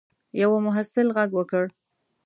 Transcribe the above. یوه محصل غږ وکړ.